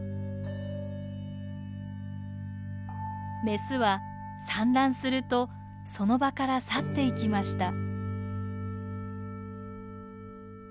メスは産卵するとその場から去っていきました。